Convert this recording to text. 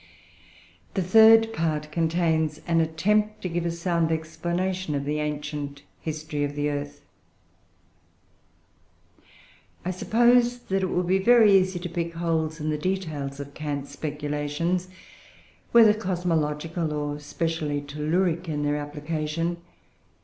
The third part contains an "Attempt to give a sound explanation of the ancient history of the earth." I suppose that it would be very easy to pick holes in the details of Kant's speculations, whether cosmological, or specially telluric, in their application.